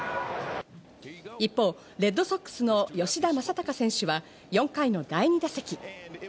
一方、レッドソックスの吉田正尚選手は４回の第２打席。